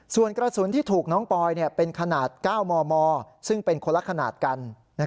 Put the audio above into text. ส่วนกระสุนที่ถูกน้องปอยเป็นขนาด๙มมซึ่งเป็นคนละขนาดกัน